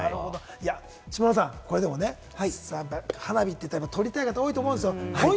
下村さん、これね、花火っていったら撮りたい方が多いと思うんですよ。